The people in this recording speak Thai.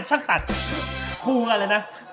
ชั้นตัดคู่กันเลยนะ